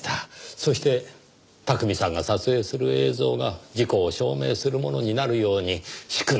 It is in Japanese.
そして巧さんが撮影する映像が事故を証明するものになるように仕組んだ。